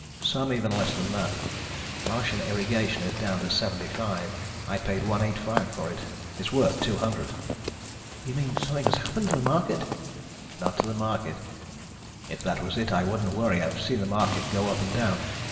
Some even less than that. Martian Irrigation is down to 75. I paid 185 for it. It's worth 200." "You mean something has happened to the market?" "Not to the market. If that was it, I wouldn't worry. I've seen the market go up and down.